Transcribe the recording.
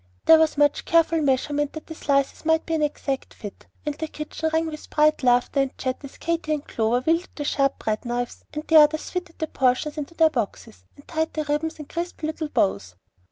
There was much careful measurement that the slices might be an exact fit; and the kitchen rang with bright laughter and chat as Katy and Clover wielded the sharp bread knives, and the others fitted the portions into their boxes, and tied the ribbons in crisp little bows.